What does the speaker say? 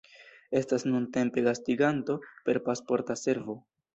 Estas nuntempe gastiganto de Pasporta Servo.